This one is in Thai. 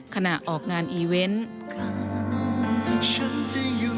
ขณะออกงานอีเวนต์